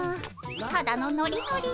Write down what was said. ただのノリノリ。